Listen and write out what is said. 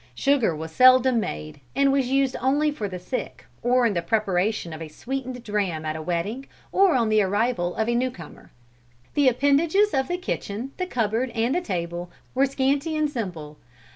Sugar was seldom made and was used only for the sick, or in the preparation of a sweetened dram at a wedding, or on the arrival of a new comer. "The appendages of the kitchen, the cupboard and the table, were scanty and simple.